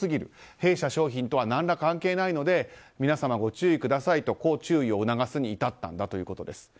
弊社商品とは何ら関係ないので皆様ご注意くださいと注意を促すに至ったということです。